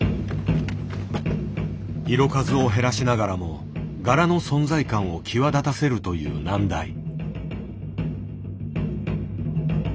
色数を減らしながらも柄の存在感を際立たせるという難題。